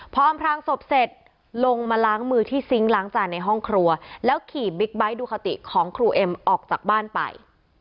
พออำพลางศพเสร็จลงมาล้างมือที่ซิงค์ล้างจานในห้องครัวแล้วขี่บิ๊กไบท์ดูคาติของครูเอ็มออกจากบ้านไป